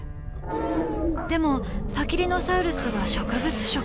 でもパキリノサウルスは植物食。